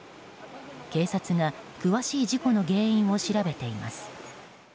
警察が詳しい事故の原因を調べています。